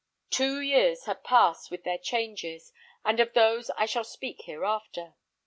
Two years had passed with their changes, and of those I shall speak hereafter.